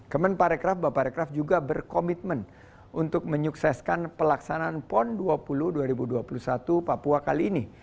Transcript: kemenparekraf bapak rekraf juga berkomitmen untuk menyukseskan pelaksanaan pon dua puluh dua ribu dua puluh satu papua kali ini